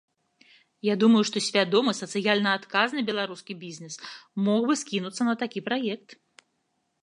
Я думаю, што свядомы, сацыяльна адказны беларускі бізнес мог бы скінуцца на такі праект.